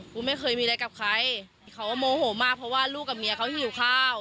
กูไม่เคยมีอะไรกับใครเขาก็โมโหมากเพราะว่าลูกกับเมียเขาหิวข้าว